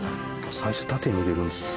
最初縦に入れるんですね。